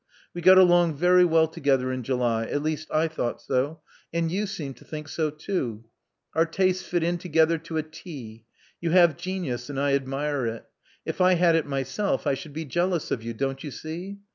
We got along very well together in July — at least I thought so; and you seemed to think so too. Our tastes fit in together to a T. You have genius; and I admire it. If I had it myself, I should be jealous of you, don't you see?